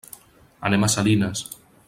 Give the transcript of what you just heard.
Anem a Salinas.